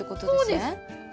そうです。